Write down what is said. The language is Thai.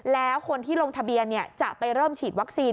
แล้วคนที่ลงทะเบียนจะไปเริ่มฉีดวัคซีน